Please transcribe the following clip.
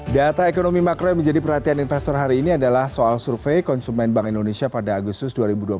data ekonomi makro yang menjadi perhatian investor hari ini adalah soal survei konsumen bank indonesia pada agustus dua ribu dua puluh satu